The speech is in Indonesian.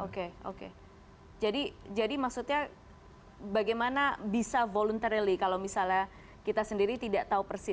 oke oke jadi maksudnya bagaimana bisa voluntarily kalau misalnya kita sendiri tidak tahu persis